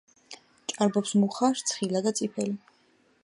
ჭარბობს მუხა, რცხილა და წიფელი.